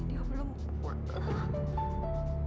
dia belum berubah